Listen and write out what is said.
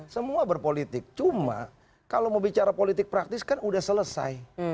semua berpolitik cuma kalau mau bicara politik praktis kan sudah selesai